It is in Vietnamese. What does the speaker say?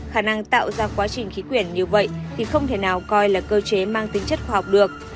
khả năng tạo ra quá trình khí quyển như vậy thì không thể nào coi là cơ chế mang tính chất khoa học được